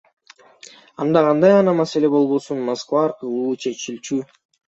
Анда кандай гана маселе болбосун Москва аркылуу чечилчү.